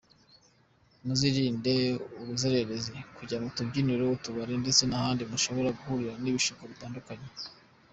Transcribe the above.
Muzirinde ubuzererezi, kujya mu tubyiniro, utubare, ndetse n’ahandi mushobora guhurira n’ibishuko bitandukanye.